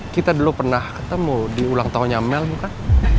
kita dulu pernah ketemu di ulang tahunnya mel bukan